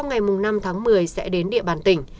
người sẽ đến địa bàn tỉnh